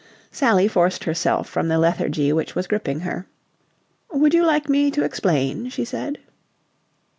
Sally forced herself from the lethargy which was gripping her. "Would you like me to explain?" she said.